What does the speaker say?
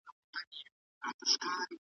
شمېر به یې ډېر کم وو .